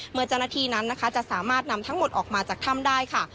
เมื่อเจ้าหน้าที่นั้นนะคะจะสามารถนำทั้งหมดออกมาจากถ้ำได้ค่ะ